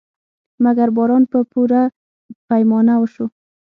مګر باران په پوره پیمانه وشو.